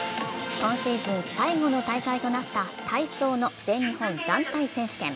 今シーズン最後の大会となった体操の全日本団体選手権。